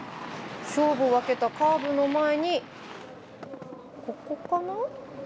勝負を分けたカーブの前にここかな？